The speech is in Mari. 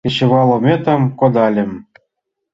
Кечывал ометым кодальым -